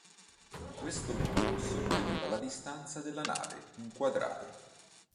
In questo modo si otteneva la distanza della nave inquadrata.